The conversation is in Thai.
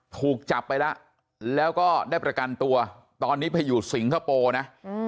ถูกจับไปแล้วแล้วก็ได้ประกันตัวตอนนี้ไปอยู่สิงคโปร์นะ